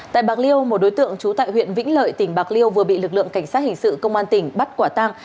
tại bạc liêu một đối tượng trú tại huyện vĩnh lợi tỉnh bạc liêu vừa bị lực lượng cảnh sát hình sự công an tỉnh bắt quả tang